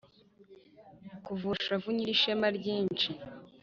kavura-shavu nyirishema ryinshi,